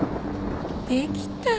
できたー。